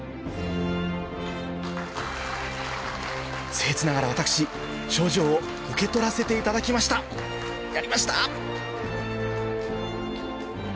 僭越ながら私賞状を受け取らせていただきましたやりました！